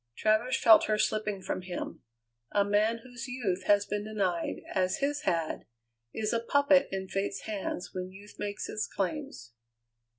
Travers felt her slipping from him. A man whose youth has been denied, as his had, is a puppet in Fate's hands when youth makes its claims.